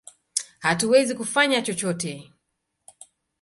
Hatuwezi kufanya chochote!